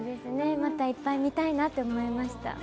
またいっぱい見たいなと思いました。